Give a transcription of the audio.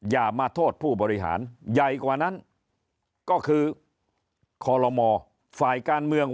อย่ามาโทษผู้บริหารใหญ่กว่านั้นก็คือคอลโลมฝ่ายการเมือง